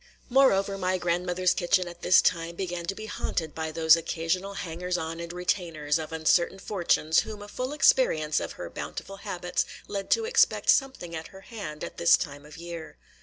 Moreover, my grandmother's kitchen at this time began to be haunted by those occasional hangers on and retainers, of uncertain fortunes, whom a full experience of her bountiful habits led to expect something at her hand at this time of the year.